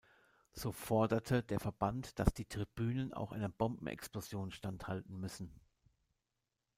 So forderte der Verband, dass die Tribünen auch einer Bombenexplosion standhalten müssen.